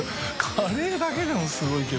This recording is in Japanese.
カレーだけでもすごいけど。